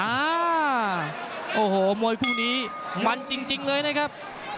อ่าโอ้โหมวยคู่นี้มันจริงเลยนะครับ